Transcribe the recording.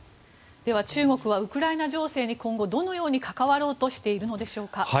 では中国はウクライナ情勢に今後どのように関わろうとしているのでしょうか。